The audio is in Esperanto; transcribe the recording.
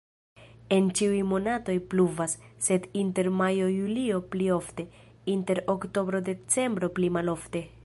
En ĉiuj monatoj pluvas, sed inter majo-julio pli ofte, inter oktobro-decembro pli malofte.